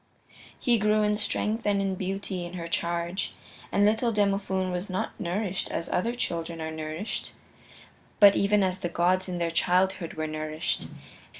He grew in strength and beauty in her charge. And little Demophoon was not nourished as other children are nourished, but even as the gods in their childhood were nourished.